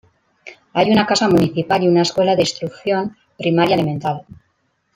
Hay una casa municipal y una escuela de instrucción primaria elemental.